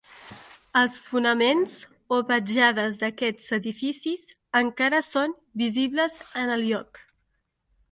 Els fonaments o petjades d'aquests edificis encara són visibles en el lloc.